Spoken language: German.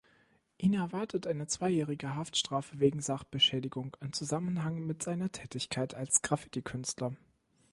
Ihn erwartet eine zweijährige Haftstrafe wegen Sachbeschädigung in Zusammenhang mit seiner Tätigkeit als Graffitikünstler.